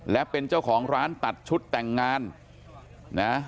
และเป็นเจ้าของร้านตัดชุดแต่งงานนะ